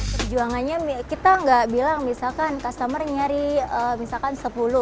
perjuangannya kita nggak bilang misalkan customer nyari misalkan sepuluh